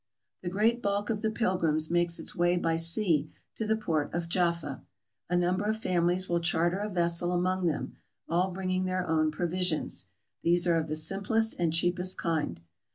The great bulk of the pilgrims makes its way by sea to the port of Jaffa. A number of families will charter a ves sel among them, all bringing their own provisions : these are of the simplest and cheapest kind.